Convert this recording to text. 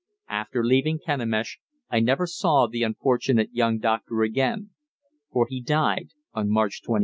After leaving Kenemish I never saw the unfortunate young doctor again; for he died on March 22d.